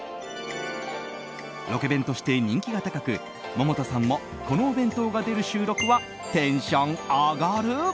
ロケ弁として人気が高く百田さんもこのお弁当が出る収録はテンション上がる！